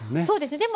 そうです。